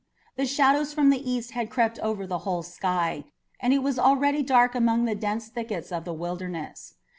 The shadows from the east had crept over the whole sky, and it was already dark among the dense thickets of the Wilderness.